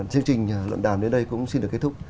chương trình luận đàm đến đây cũng xin được kết thúc